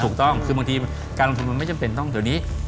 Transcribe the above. ถูกต้องคือบางทีการลงทุนมันไม่จำเป็นต้องเดี๋ยวนี้